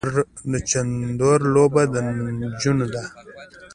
د چيندرو لوبه د نجونو ده.